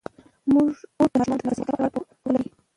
مور د ماشومانو د تنفسي روغتیا په اړه پوهه لري.